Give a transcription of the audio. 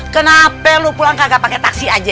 kenapa lo pulang kagak pake taksi aja